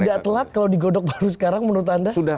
tidak telat kalau digodok baru sekarang menurut anda